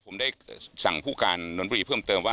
ผมได้สั่งผู้การนนทบุรีเพิ่มเติมว่า